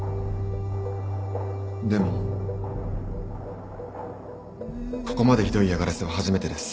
でもここまでひどい嫌がらせは初めてです。